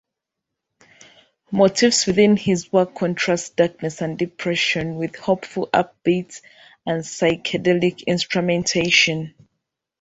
Motifs within his work contrast darkness and depression with hopeful upbeat and psychedelic instrumentation.